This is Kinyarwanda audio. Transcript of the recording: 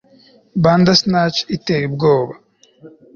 Bandersnatch iteye ubwoba